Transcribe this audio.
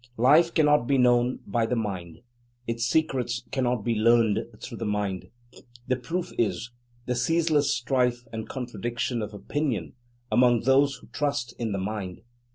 Life cannot be known by the "mind," its secrets cannot be learned through the "mind." The proof is, the ceaseless strife and contradiction of opinion among those who trust in the mind.